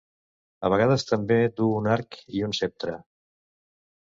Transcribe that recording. A vegades també du un arc i un ceptre.